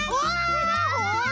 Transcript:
すごい！